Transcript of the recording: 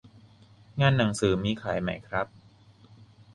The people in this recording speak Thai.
งานหนังสือมีขายไหมครับ